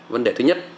vấn đề thứ nhất